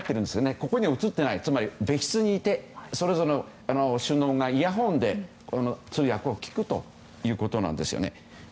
ここには写っていませんがつまり、別室にいてそれぞれの首脳がイヤホンでこの通訳を聞くということなんですね。